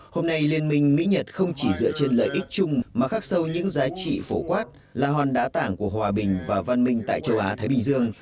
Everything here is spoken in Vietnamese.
hôm nay liên minh mỹ nhật không chỉ dựa trên lợi ích chung mà khắc sâu những giá trị phổ quát là hòn đá tảng của hòa bình và văn minh tại châu á thái bình dương